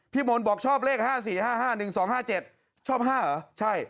พี่มนต์บอกชอบเลขห้าสี่ห้าห้าหนึ่งสองห้าเจ็ดชอบห้าเหรอใช่